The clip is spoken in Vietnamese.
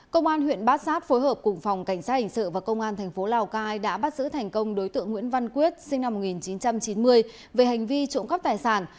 công an huyện bát sát phối hợp cùng phòng cảnh sát hình sự và công an thành phố lào cai đã bắt giữ thành công đối tượng nguyễn văn quyết sinh năm một nghìn chín trăm chín mươi về hành vi trộm cắp tài sản